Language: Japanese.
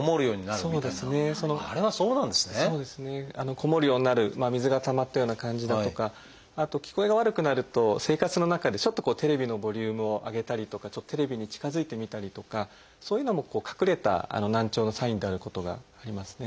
こもるようになる水がたまったような感じだとかあと聞こえが悪くなると生活の中でちょっとテレビのボリュームを上げたりとかちょっとテレビに近づいて見たりとかそういうのも隠れた難聴のサインであることがありますね。